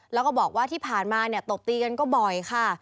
แล้วก็บอกว่าที่ผ่านมาเนี่ยตบตีกันก็บ่อยค่ะ